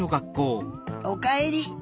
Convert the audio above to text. おかえり！